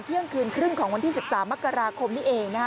เที่ยงคืนครึ่งของวันที่๑๓มกราคมนี้เองนะฮะ